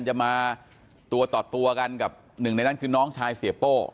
จะมาตัวต่อตัวกันกับหนึ่งในนั้นคือน้องชายเสียโป้